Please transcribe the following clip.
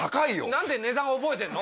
何で値段覚えてんの？